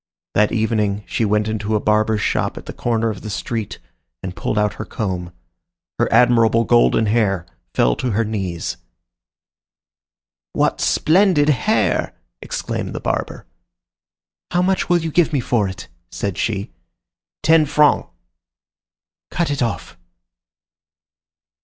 That evening she went into a barber's shop at the corner of the street, and pulled out her comb. Her admirable golden hair fell to her knees. "What splendid hair!" exclaimed the barber. "How much will you give me for it?" said she. "Ten francs." "Cut it off."